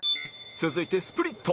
続いてスプリット